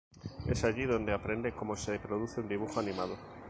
Es allí donde aprende cómo se produce un dibujo animado.